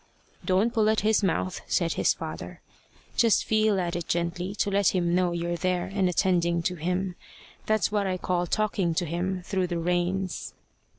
"Don't pull at his mouth," said his father, "just feel, at it gently to let him know you're there and attending to him. That's what I call talking to him through the reins."